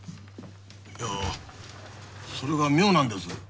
いやそれが妙なんです。